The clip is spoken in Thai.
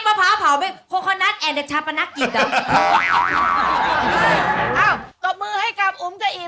นอกจากมวดสัตว์ต่างแล้วเนี่ย